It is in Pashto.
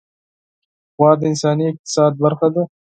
غوا د انساني اقتصاد برخه ده.